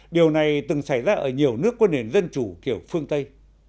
điều này từng xảy ra ở nhiều nước có nền dân chủ kiểu phương tây